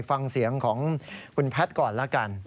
ฟังเสียงของคุณแพทย์ก่อนละกัน